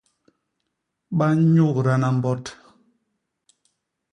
Ba nnyugdana mbot.